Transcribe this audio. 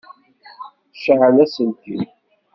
Cɛel aselkim.